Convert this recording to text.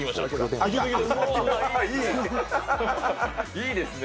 いいですね。